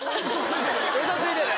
ウソついてる！